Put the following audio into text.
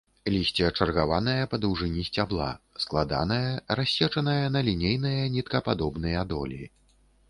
Лісце чаргаванае па даўжыні сцябла, складанае, рассечанае на лінейныя ніткападобныя долі.